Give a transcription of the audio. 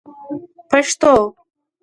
پشتو